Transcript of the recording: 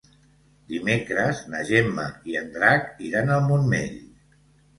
Dimecres na Gemma i en Drac iran al Montmell.